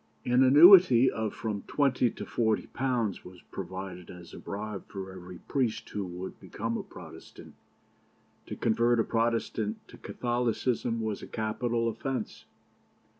An annuity of from twenty to forty pounds was provided as a bribe for every priest who would become a Protestant. To convert a Protestant to Catholicism was a capital offence.